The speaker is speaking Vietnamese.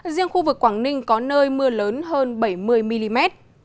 riêng khu vực quảng ninh có nơi mưa lớn hơn bảy mươi mm